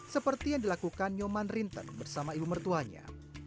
seperti yang dilakukan nyoman rinten bersama ibu mertuanya